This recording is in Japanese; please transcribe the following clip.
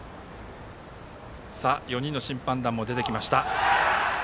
４人の審判団も出てきました。